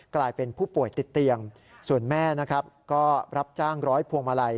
กลายเป็นผู้ป่วยติดเตียงส่วนแม่นะครับก็รับจ้างร้อยพวงมาลัย